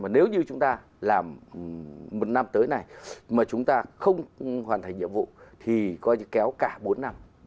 nếu như chúng ta làm một năm tới này mà chúng ta không hoàn thành nhiệm vụ thì coi như kéo cả bốn năm